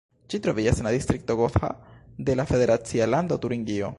Ĝi troviĝas en la distrikto Gotha de la federacia lando Turingio.